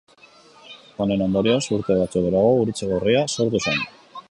Honen ondorioz urte batzuk geroago Gurutze Gorria sortu zen.